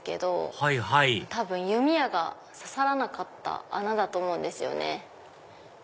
はいはい多分弓矢が刺さらなかった穴だと思うんですよね。